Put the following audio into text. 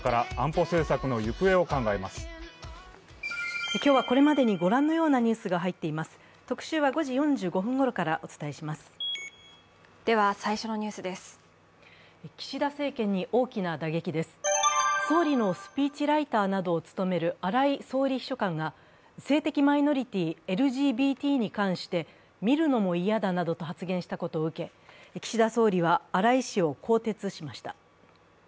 総理のスピーチライターなどを務める荒井総理秘書官が性的マイノリティー＝ＬＧＢＴに関して、見るのも嫌だなどと発言したことを受け、岸田総理は荒井氏を更迭しました。